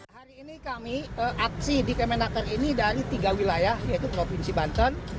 hari ini kami aksi di kemenaker ini dari tiga wilayah yaitu provinsi banten